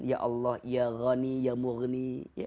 ya allah ya ghani ya mughni